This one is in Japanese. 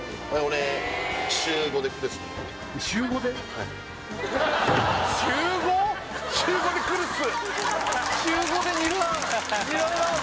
はい週５で来るっす！